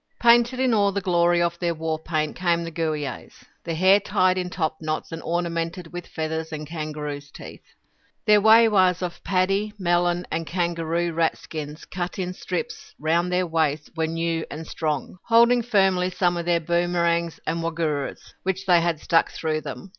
Painted in all the glory of their war paint came the Gooeeays, their hair tied in top knots and ornamented with feathers and kangaroos' teeth. Their waywahs of paddy, melon, and kangaroo rat skins cut in strips, round their waists, were new and strong, holding firmly some of their boomerangs and woggoorahs, which they had stuck through them.